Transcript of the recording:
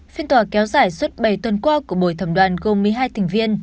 phiên tòa kéo giải suốt bảy tuần qua của bồi thẩm đoàn gồm một mươi hai thỉnh viên